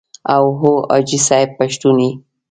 او هو حاجي صاحب پښتون یې.